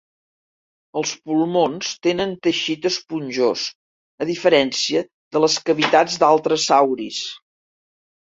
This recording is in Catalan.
Els pulmons tenen teixit esponjós, a diferència de les cavitats d'altres sauris.